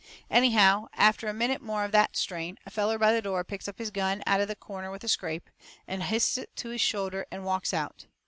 Anyhow, after a minute more of that strain, a feller by the door picks up his gun out of the corner with a scrape, and hists it to his shoulder and walks out.